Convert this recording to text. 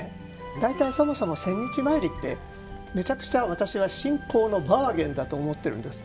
大体そもそも千日詣りってめちゃくちゃ私は信仰のバーゲンだと思っているんですよ。